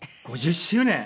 ５０周年！